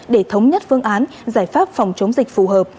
để thống nhất phương án giải pháp phòng chống dịch phù hợp